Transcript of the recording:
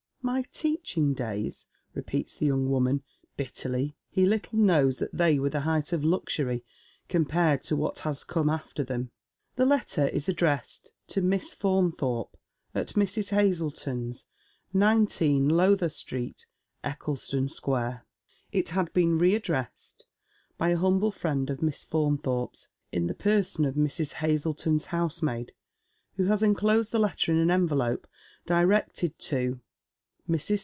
"My teaching days," repeats the young woman, bitterly. " He little knows that they were the height of luxury compared ff\ what has come after them." The letter is addressed to — MISS FAUNTHORPE, At Mrs. Hazleton's, 19, Lowther Street, EccLEsTON Square. It has been re addressed by an humble friend of Miss Faun thorpe's, in the person of Mrs. Hazleton's housemaid, who has enclosed the letter in an envelope directed to — MRS.